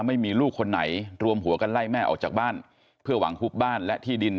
ไม่มีลูกคนไหนรวมหัวกันไล่แม่ออกจากบ้านเพื่อหวังฮุบบ้านและที่ดิน